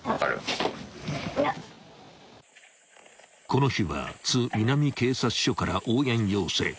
［この日は津南警察署から応援要請］